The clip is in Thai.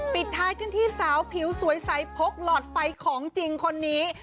ปิดท้ายกันที่สาวผิวสวยใสพกหลอดไฟของจริงคนนี้